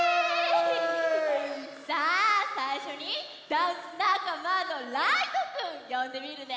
さあさいしょにダンスなかまのライトくんよんでみるね！